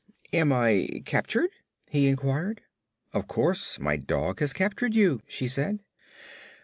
"Am I captured?" he inquired. "Of course. My dog has captured you," she said.